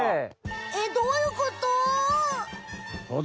えっどういうこと？